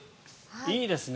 いいですね。